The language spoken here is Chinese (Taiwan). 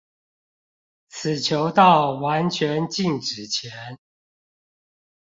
此球到完全靜止前